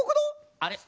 あれ？